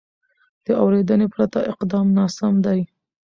د اورېدنې پرته اقدام ناسم دی.